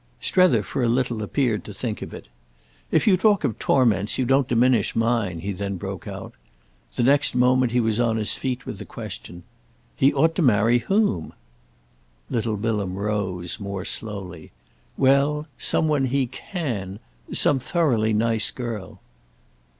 Strether, for a little, appeared to think of it. "If you talk of torments you don't diminish mine!" he then broke out. The next moment he was on his feet with a question. "He ought to marry whom?" Little Bilham rose more slowly. "Well, some one he can—some thoroughly nice girl."